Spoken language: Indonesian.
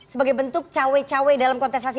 sebagai bentuk cawi cawi dalam kontestasi